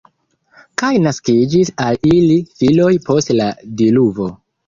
Kaj naskiĝis al ili filoj post la diluvo.